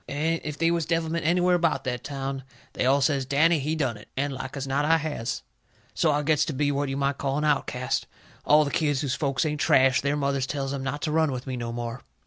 And if they was devilment anywhere about that town they all says, "Danny, he done it." And like as not I has. So I gets to be what you might call an outcast. All the kids whose folks ain't trash, their mothers tells 'em not to run with me no more.